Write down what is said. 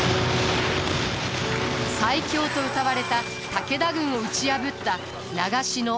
最強とうたわれた武田軍を打ち破った長篠設楽原の戦い。